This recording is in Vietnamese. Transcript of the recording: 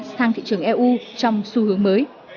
sang thị trường eu trong xu hướng mới